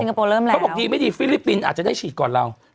เขาบอกทีไม่ที่ฟิลิปปินส์อาจจะได้ฉีดก่อนเรา